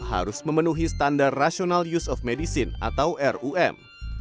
harus memenuhi standar rational use of medicine atau rum